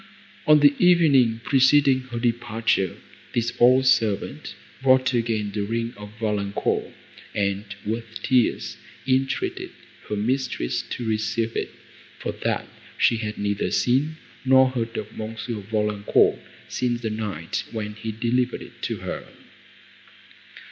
On the evening, preceding her departure, this old servant brought again the ring of Valancourt, and, with tears, entreated her mistress to receive it, for that she had neither seen, nor heard of M. Valancourt, since the night when he delivered it to her.